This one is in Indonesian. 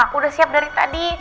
aku udah siap dari tadi